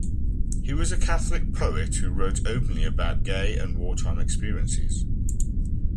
He was a Catholic poet who wrote openly about gay and wartime experiences.